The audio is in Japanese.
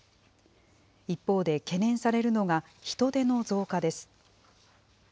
一方で懸念されるのが人出の増加です。